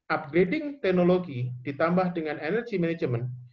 upgrading teknologi ditambah dengan energy management